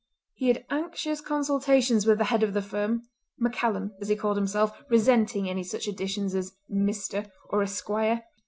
He had anxious consultations with the head of the firm—MacCallum as he called himself, resenting any such additions as "Mr." or "Esquire."